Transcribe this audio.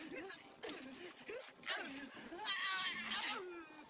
tengah main mas